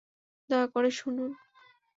দয়া করে শুনুন!